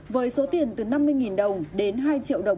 với số tiền từ năm mươi đồng đến hai triệu đồng